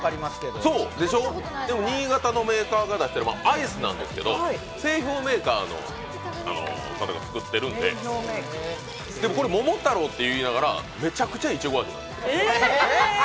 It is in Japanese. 新潟のメーカーが出してるアイスですけど、製氷メーカーが出してるでも、もも太郎って言いながらめちゃくちゃいちご味。